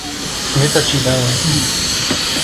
La fachada N, de poca altura, no presenta vanos.